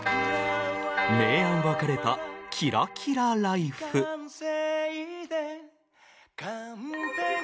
明暗分かれたキラキラ人生。